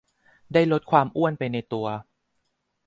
ได้ลดความอ้วนไปในตัว